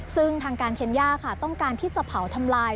ซึ่งทางการเคนย่าค่ะต้องการที่จะเผาทำลาย